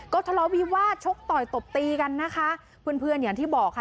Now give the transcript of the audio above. ก็ทะเลาวิวาสชกต่อยตบตีกันนะคะเพื่อนเพื่อนอย่างที่บอกค่ะ